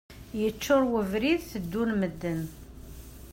Yeččur webrid, teddun medden.